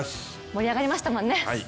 盛り上がりましたもんね。